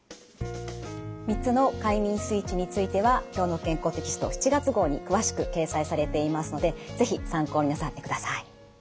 ３つの快眠スイッチについては「きょうの健康」テキスト７月号に詳しく掲載されていますので是非参考になさってください。